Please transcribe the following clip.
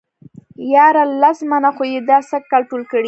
ياره لس منه خو يې دا سږ کال ټول کړي.